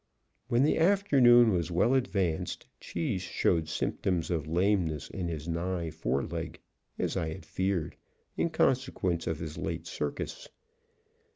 When the afternoon was well advanced Cheese showed symptoms of lameness in his nigh fore leg, as I had feared, in consequence of his late circus.